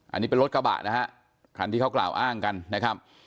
อันนี้เป็นรถกระบะนะฮะคันที่เขากล่าวอ้างกันนะครับ